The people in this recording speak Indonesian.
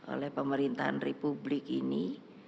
oleh pemerintahan republik ini